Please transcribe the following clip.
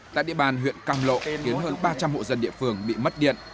tại địa bàn huyện cam lộ khiến hơn ba trăm linh hộ dân địa phương bị mất điện